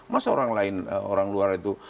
masa orang lain orang luar itu